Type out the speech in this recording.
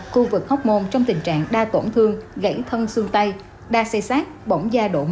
khu vực hóc môn trong tình trạng đa tổn thương gãy thân xương tay đa xây xác bổng da độ một hai